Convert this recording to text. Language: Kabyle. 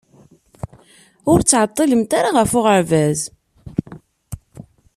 Ur ttɛeṭṭilemt ara ɣef uɣeṛbaz.